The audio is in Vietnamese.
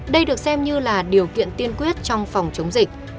đây được xem như là điều kiện tiên quyết trong phòng chống dịch